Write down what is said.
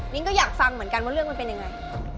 ก็อยากฟังเหมือนกันว่าเรื่องมันเป็นยังไง